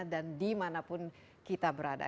dan dimanapun kita berada